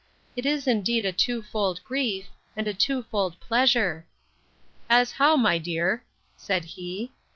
It is indeed a twofold grief, and a twofold pleasure.—As how, my dear? said he.